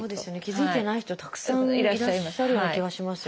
気付いてない人たくさんいらっしゃるような気がしますよね。